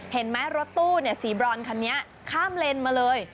เห็นไหมรถตู้สีบรอนคันนี้ข้ามเลนมาเลย